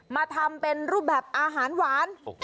มาทำเป็นรูปแบบอาหารหวาน